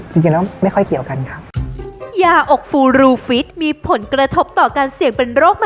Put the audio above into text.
จริงแล้วไม่ค่อยเกี่ยวกันค่ะ